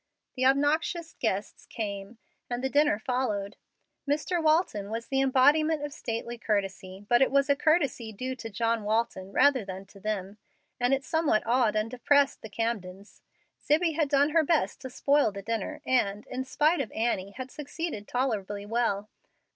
The obnoxious guests came, and the dinner followed. Mr. Walton was the embodiment of stately courtesy, but it was a courtesy due to John Walton rather than to them, and it somewhat awed and depressed the Camdens. Zibbie had done her best to spoil the dinner, and, in spite of Annie, had succeeded tolerably well.